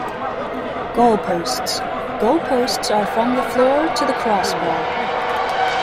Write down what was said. Goal Posts - Goal posts are from the floor to the crossbar.